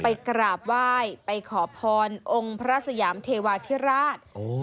ไปกราบไหว้ไปขอพรองค์พระสยามเทวาธิราช